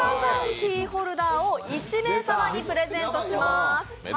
キーホルダーを１名様にプレゼントします。